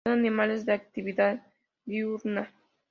Son animales de actividad diurna.